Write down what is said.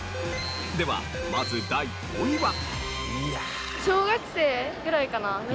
ではまず第５位は。